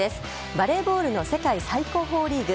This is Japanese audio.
バレーボールの世界最高峰リーグ